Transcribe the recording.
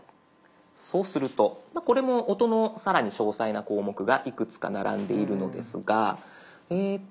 そうするとこれも音の更に詳細な項目がいくつか並んでいるのですがえっと